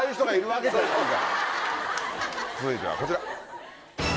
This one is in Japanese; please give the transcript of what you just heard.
続いてはこちら。